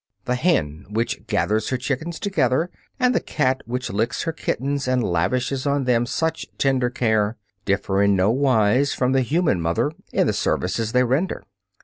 The hen which gathers her chickens together, and the cat which licks her kittens and lavishes on them such tender care, differ in no wise from the human mother in the services they render.